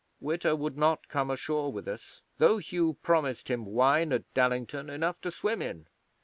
Witta would not come ashore with us, though Hugh promised him wine at Dallington enough to swim in.